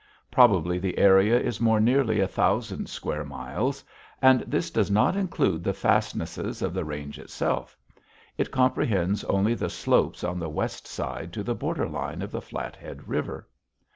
Probably the area is more nearly a thousand square miles. And this does not include the fastnesses of the range itself. It comprehends only the slopes on the west side to the border line of the Flathead River.